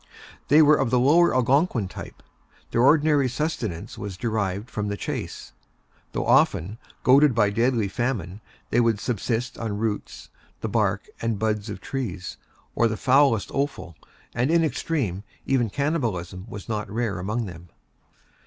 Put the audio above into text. They were of the lowest Algonquin type. Their ordinary sustenance was derived from the chase; though often, goaded by deadly famine, they would subsist on roots, the bark and buds of trees, or the foulest offal; and in extremity, even cannibalism was not rare among them.